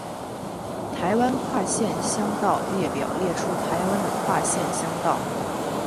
台湾跨县乡道列表列出台湾的跨县乡道。